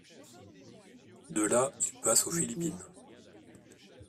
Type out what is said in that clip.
De là il passe aux Philippines.